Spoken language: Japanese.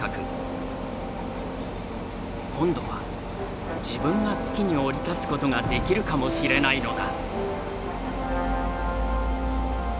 今度は自分が月に降り立つことができるかもしれないのだ。